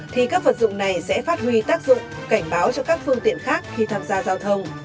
thì các vật dụng này sẽ phát huy tác dụng cảnh báo cho các phương tiện khác khi tham gia giao thông